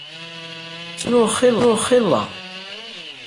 Ttruɣ xilla.